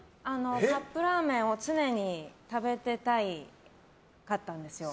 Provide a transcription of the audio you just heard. カップラーメンを常に食べてたかったんですよ。